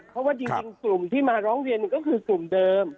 เพราะว่าจริงกลุ่มที่มาร้องเรียนก็คือกลุ่มเดิม